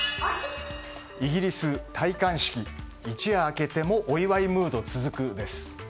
イギリス戴冠式、一夜明けてもお祝いムード続くです。